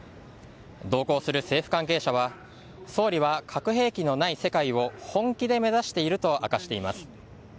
同行する政府関係者は総理は核兵器のない世界を本気で目指していると明かしています。